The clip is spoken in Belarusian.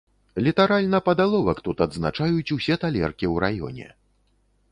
Літаральна пад аловак тут адзначаюць усе талеркі ў раёне!